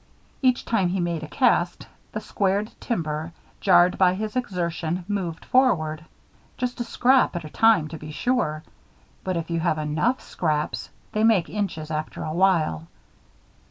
Each time he made a cast, the squared timber, jarred by his exertion, moved forward. Just a scrap at a time, to be sure; but if you have enough scraps, they make inches after a while.